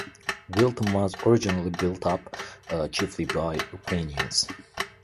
Wilton was originally built up chiefly by Ukrainians.